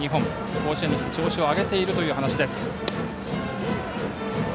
甲子園に来て調子を上げているという話です。